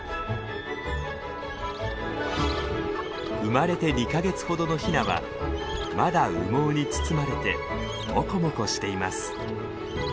生まれて２か月ほどのヒナはまだ羽毛に包まれてモコモコしています。